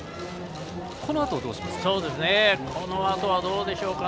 このあとはどうしますか？